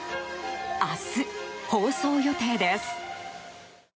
明日、放送予定です。